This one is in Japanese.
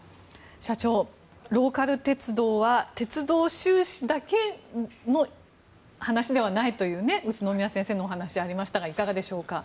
社長、ローカル鉄道は鉄道収支だけの話ではないという宇都宮先生のお話がありましたがいかがでしょうか？